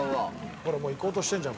「ほら行こうとしてんじゃん。